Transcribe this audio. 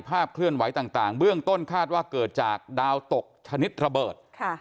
เคลื่อนไหวต่างเบื้องต้นคาดว่าเกิดจากดาวตกชนิดระเบิด